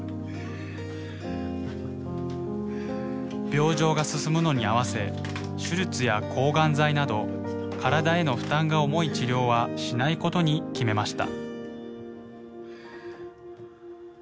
病状が進むのに合わせ手術や抗がん剤など体への負担が重い治療はしないことに決めました。